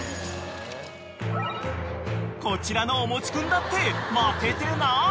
［こちらのおもち君だって負けてない］